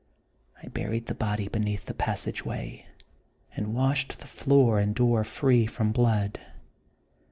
I buried the body be neath the passage way, and washed the floor and door free from blood.